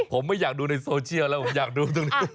ผมไม่อยากดูในโซเชียลแล้วผมอยากดูตรงนี้